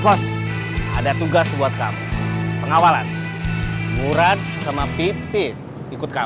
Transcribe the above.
udah gak usah ngomongin dia